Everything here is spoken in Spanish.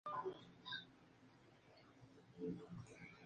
Su perímetro es casi rectangular, siendo el lado oriental algo más arqueado.